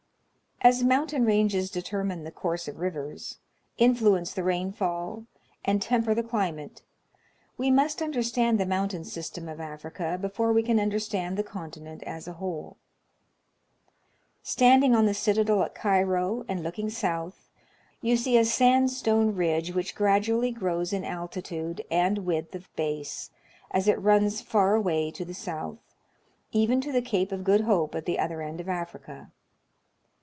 As mountain ranges determine the course of rivers, influence the rainfall, and temper the climate, we must understand the mountain system of Africa before we can understand the con tinent as a whole. 102 National Geographic Magazine. Standing on the citadel at Cairo, and looking south, you see a sandstone ridge which gradually grows in altitude and width of base as it runs far away to the south, even to the Cape of Good Hope at the other end of Africa.